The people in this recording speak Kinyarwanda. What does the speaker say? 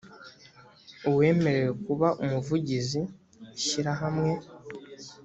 uwemerewe kuba umuvugizi ishyirahamwe